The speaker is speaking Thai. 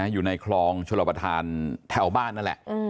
อยู่ในคลองชลประธานแถวบ้านนั่นแหละ